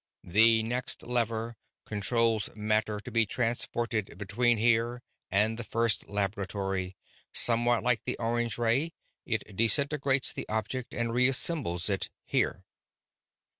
"The next lever controls matter to be transported between here and the first laboratory. Somewhat like the orange ray, it disintegrates the object and reassembles it here."